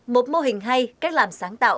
một mô hình hay cách làm sáng tạo